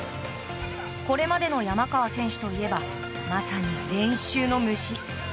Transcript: これまでの山川選手といえばまさに練習の虫。